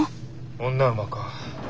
女馬か。